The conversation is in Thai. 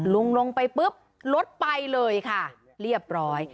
ลุงลงไปปุ๊บรถไปเลยค่ะเรียบร้อย